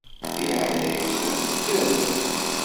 Di leɛnaya-nkent kkremt.